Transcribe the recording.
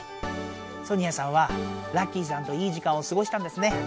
ソニアさんはラッキーさんといい時間をすごしたんですね。